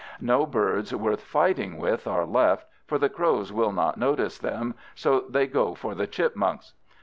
No birds worth fighting with are left, for the crows will not notice them, so they go for the chipmunks.